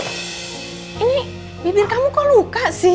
ini bibir kamu kok luka sih